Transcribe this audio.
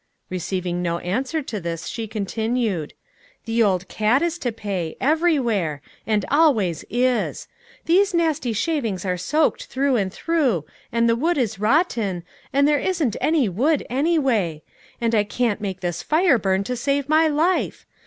Receiving no answer to this, she continued, "The old cat is to pay, everywhere, and always is! These nasty shavings are soaked through and through, and the wood is rotten, and there isn't any wood anyway, and I can't make this fire burn to save my life.